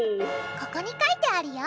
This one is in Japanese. ここに書いてあるよ！